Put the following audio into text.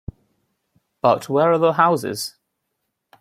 But where are the houses?